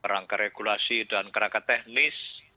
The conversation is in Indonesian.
rangka regulasi dan kerangka teknis